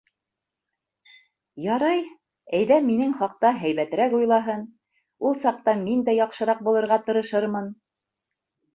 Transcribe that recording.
Ярай, әйҙә минең хаҡта һәйбәтерәк уйлаһын, ул саҡта мин дә яҡшыраҡ булырға тырышырмын.